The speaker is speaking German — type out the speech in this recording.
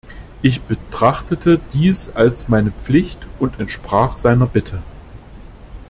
Ich betrachtete dies als meine Pflicht und entsprach seiner Bitte.